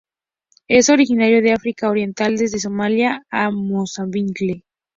Es originario de África oriental desde Somalia a Mozambique.